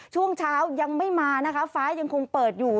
ช่วงเช้ายังไม่มานะคะฟ้ายังคงเปิดอยู่